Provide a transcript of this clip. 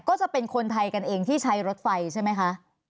ก็จะเป็นคนไทยกันเองที่ใช้รถไฟใช่ไหมคะ